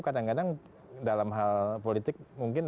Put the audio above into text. kadang kadang dalam hal politik mungkin